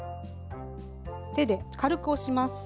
手で軽く押します。